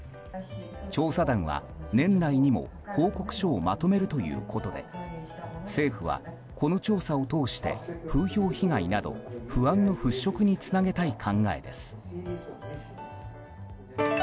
調査団は年内にも報告書をまとめるということで政府はこの調査を通して風評被害など不安の払拭につなげたい考えです。